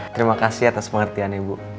terima kasih atas pengertiannya ibu